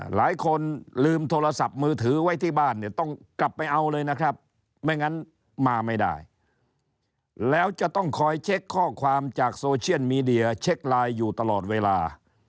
หลายคนลืมโทรศัพท์มือถือไว้ที่บ้านเนี่ยต้องกลับไปเอาเลยนะครับไม่งั้นมาไม่ได้แล้วจะต้องคอยเช็คข้อความจากโซเชียลมีเดียเช็คไลน์อยู่ตลอดเวลา